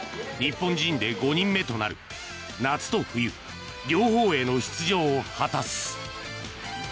日本人で５人目となる夏と冬、両方への出場を果たす。